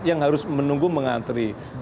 yang harus menunggu mengantri